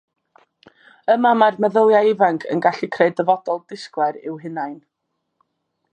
Yma mae'r meddyliau ifanc yn gallu creu dyfodol disglair i'w hunain.